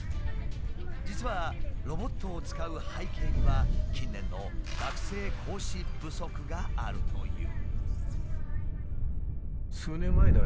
実はロボットを使う背景には近年の学生講師不足があるという。